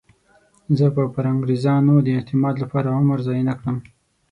زه به پر انګریزانو د اعتماد لپاره عمر ضایع نه کړم.